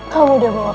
kamu sudah berhasil